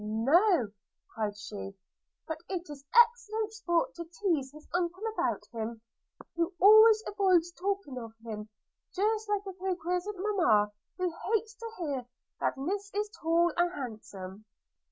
'No!' cried she; 'but it is excellent sport to teize his uncle about him, who always avoids talking of him, just like a coquettish Mamma, who hates to hear that Miss is tall and handsome.'